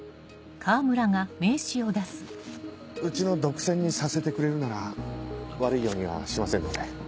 うちの独占にさせてくれるなら悪いようにはしませんので。